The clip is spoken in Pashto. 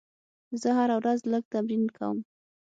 زه هره ورځ لږ تمرین کوم.